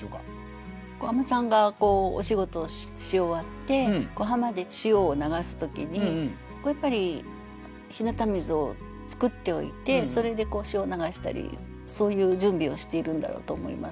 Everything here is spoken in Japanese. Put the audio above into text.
海女さんがお仕事をし終わって浜で塩を流す時にやっぱり日向水を作っておいてそれで塩を流したりそういう準備をしているんだろうと思います。